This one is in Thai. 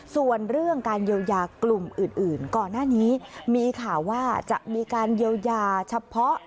ส่วนเรื่องการเยียวยากลุ่มอื่นก่อนหน้านี้มีข่าวว่าจะมีการเยียวยาเฉพาะ